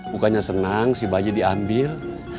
bukannya senang si bayi diambil